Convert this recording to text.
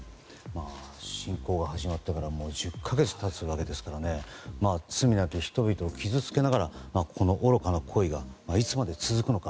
侵攻が始まってからもう１０か月経つわけですから罪なき人々を傷つけながらこの愚かな行為がいつまで続くのか。